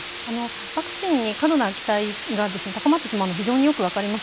ワクチンに過度な期待が高まってしまうの非常によく分かります。